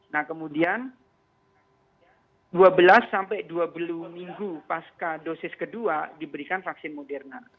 nah kemudian dua belas dua puluh minggu paska dosis dua diberikan vaksin moderna